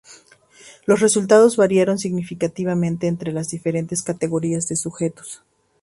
Los resultados variaron significativamente entre las diferentes categorías de sujetos.